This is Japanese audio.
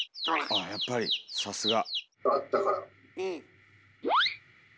ああやっぱりさすが。